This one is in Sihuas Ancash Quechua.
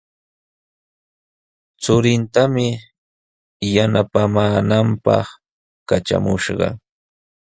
Churintami yanapaamaananpaq katramushqa.